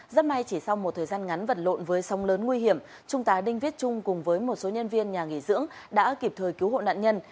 rất may chỉ sau một thời gian ngắn vật lộn với sóng lớn nguy hiểm trung tá đinh viết trung cùng với một số nhân viên nhà nghỉ dưỡng đã kịp thời cứu hộ nạn nhân